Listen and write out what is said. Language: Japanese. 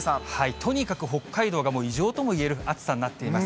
とにかく北海道がもう、異常ともいえる暑さになっています。